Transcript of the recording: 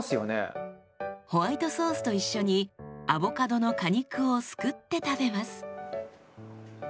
ホワイトソースと一緒にアボカドの果肉をすくって食べます。